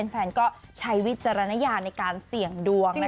แฟนก็ใช้วิจารณญาณในการเสี่ยงดวง